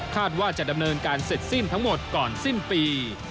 ว่าจะดำเนินการเสร็จสิ้นทั้งหมดก่อนสิ้นปี